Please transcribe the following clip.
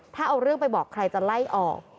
ถ้าเอาเรื่องไปบอกใครจะไล่ออก